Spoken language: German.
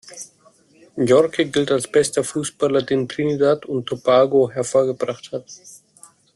Yorke gilt als bester Fußballer, den Trinidad und Tobago hervorgebracht hat.